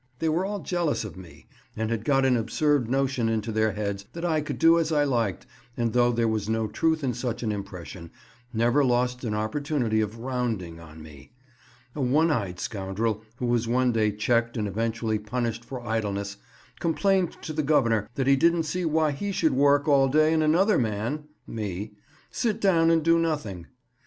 They were all jealous of me, and had got an absurd notion into their heads that I could do as I liked, and, though there was no truth in such an impression, never lost an opportunity of "rounding" on me. A one eyed scoundrel, who was one day checked and eventually punished for idleness, complained to the Governor that he didn't see why he should work all day and another man (me) sit down and do nothing.